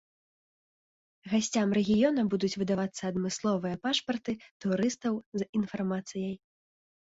Гасцям рэгіёна будуць выдавацца адмысловыя пашпарты турыстаў з інфармацыяй.